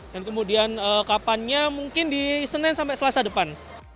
dan kemudian kapannya mungkin di senin sampai selasa depan